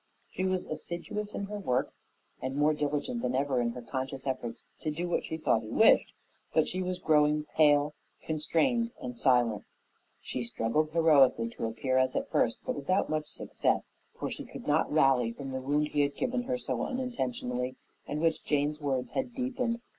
She was assiduous in her work and more diligent than ever in her conscious efforts to do what she thought he wished; but she was growing pale, constrained, and silent. She struggled heroically to appear as at first, but without much success, for she could not rally from the wound he had given her so unintentionally and which Jane's words had deepened.